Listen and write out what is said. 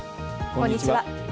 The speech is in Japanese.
こんにちは。